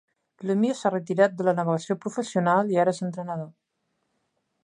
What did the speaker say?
Lemieux s'ha retirat de la navegació professional i ara és entrenador.